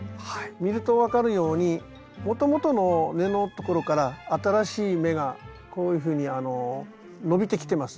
見ると分かるようにもともとの根のところから新しい芽がこういうふうに伸びてきてます。